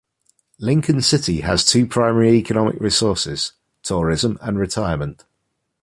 Lincoln City has two primary economic resources: tourism and retirement.